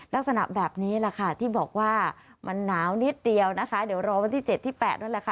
ลักษณะแบบนี้แหละค่ะที่บอกว่ามันหนาวนิดเดียวนะคะเดี๋ยวรอวันที่๗ที่๘นั่นแหละค่ะ